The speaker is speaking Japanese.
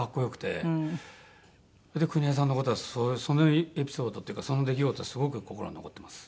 邦衛さんの事はそのエピソードっていうかその出来事はすごく心に残ってます。